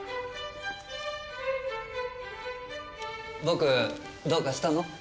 ボクどうかしたの？